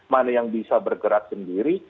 mana yang bisa bergerak sendiri